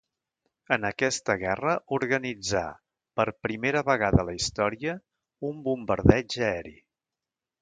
En aquesta guerra organitzà, per primera vegada a la història, un bombardeig aeri.